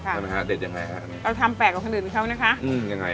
ใช่มั้ยคะเด็ดยังไงคะอันนี้เราทำแปลกกับคนอื่นเขานะคะอื้อยังไงอ่ะ